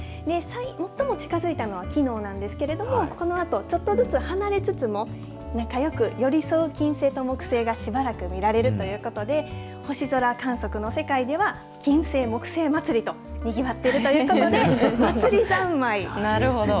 最も近づいたのはきのうなんですけど、このあとちょっとずつ離れつつも、仲よく寄り添う金星と木星がしばらく見られるということで、星空観測の世界では、金星木星祭りとにぎわっているということで、なるほど。